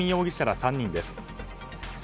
己容疑者ら３人です。